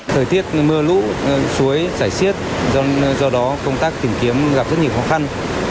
thời tiết mưa lũ suối chảy xiết do đó công tác tìm kiếm gặp rất nhiều khó khăn